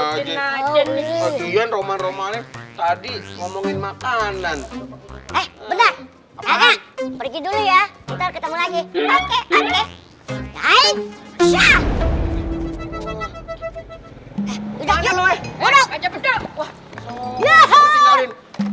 makanan biar pergi dulu ya kita ketemu lagi